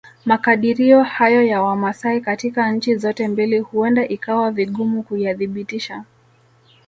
Makadirio hayo ya Wamasai katika nchi zote mbili huenda ikawa vigumu kuyathibitisha